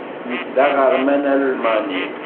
Nekk d aɣerman almani.